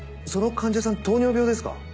その患者さん糖尿病ですか？